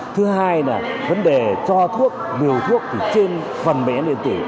thứ hai là vấn đề cho thuốc điều thuốc trên phần bệnh án điện tử